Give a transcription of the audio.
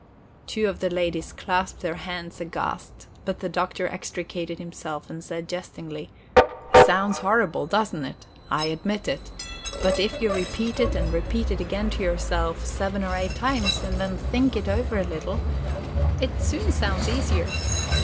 Two of the ladies clasped their hands aghast, but the Doctor extricated himself, and said jestingly: "Sounds horrible, doesn't it? I admit it. But if you repeat it and repeat it again to yourself seven or eight times, and then think it over a little, it soon sounds easier...